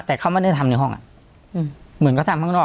แต่เขาไม่ได้ทำในห้องอ่ะอืมเหมือนเขาทำข้างนอกอ่ะ